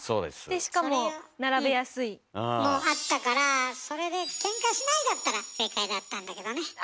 でしかも「並べやすい」。もあったからそれで「ケンカしない」だったら正解だったんだけどね。